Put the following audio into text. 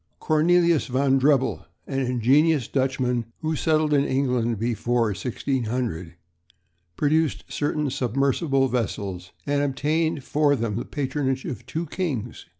Cornelius van Drebbel, an ingenious Dutchman who settled in England before 1600, produced certain submersible vessels and obtained for them the patronage of two kings.